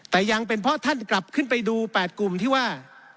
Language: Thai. แต่ยังเป็นเพราะท่านกลับขึ้นไปดู๘กลุ่มที่ว่า